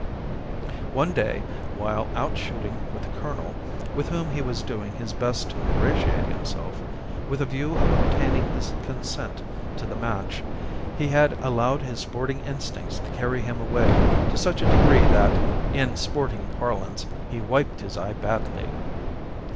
One day while out shooting with the colonel, with whom he was doing his best to ingratiate himself, with a view to obtaining his consent to the match, he had allowed his sporting instincts to carry him away to such a degree that, in sporting parlance, he wiped his eye badly.